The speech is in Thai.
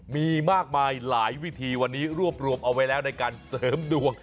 มีมากมายหลายวิธีวันนี้รวบรวมเอาไว้แล้วในการเสริมดวง